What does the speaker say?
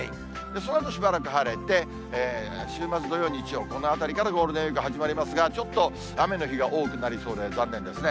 そのあとしばらく晴れて、週末土曜、日曜、このあたりからゴールデンウィーク始まりますが、ちょっと雨の日が多くなりそうで、残念ですね。